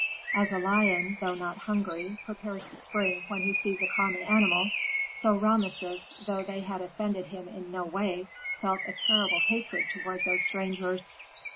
As a lion, though not hungry, prepares to spring when he sees a common animal, so Rameses, though they had offended him in no way, felt a terrible hatred toward those strangers.